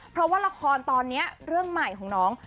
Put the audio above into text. เพราะว่าละครตอนนี้เรื่องใหม่ของน้อง